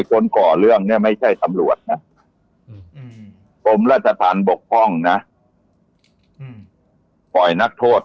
คนก่อเรื่องนี้ไม่ใช่สำรวจนะผมระจะทานบกฟ่องฉันนักโทษ